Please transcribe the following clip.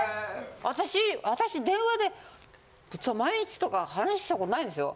私私電話で毎日とか話したことないんですよ。